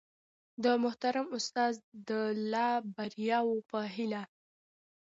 د محترم استاد د لا بریاوو په هیله